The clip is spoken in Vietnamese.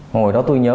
hồi đó tôi nhớ